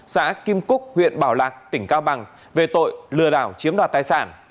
xã kim cúc huyện bảo lạc tỉnh cao bằng về tội lừa đảo chiếm đoạt tài sản